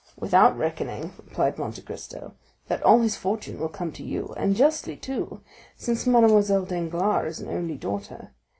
"Without reckoning," replied Monte Cristo, "that all his fortune will come to you, and justly too, since Mademoiselle Danglars is an only daughter.